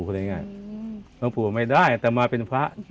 หลวงปู่ไม่ได้แต่มาเป็นพระ